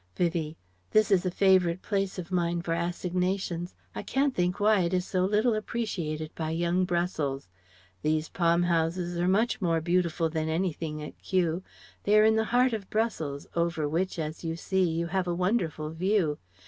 Vivie: "This is a favourite place of mine for assignations. I can't think why it is so little appreciated by young Brussels. These palm houses are much more beautiful than anything at Kew; they are in the heart of Brussels, over which, as you see, you have a wonderful view.